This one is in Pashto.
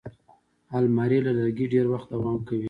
الماري له لرګي ډېر وخت دوام کوي